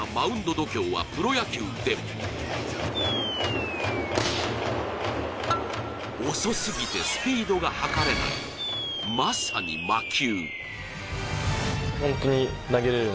度胸はプロ野球でも遅すぎてスピードが測れないまさに魔球。